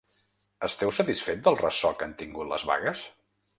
Esteu satisfet del ressò que han tingut les vagues?